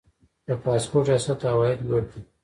د پاسپورت ریاست عواید لوړ دي